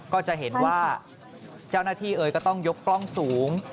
ก็จะเห็นว่าเจ้าหน้าที่เอ่ยก็ต้องยกกล้องสูง